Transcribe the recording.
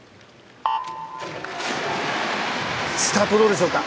スタートどうでしょうか。